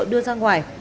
đưa ra ngoài